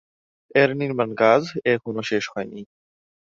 এর নির্মাণ কাজ এখনো শেষ হয়নি।